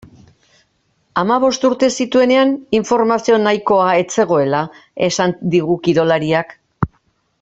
Hamabost urte zituenean informazio nahikoa ez zegoela esan digu kirolariak.